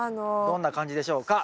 どんな漢字でしょうか？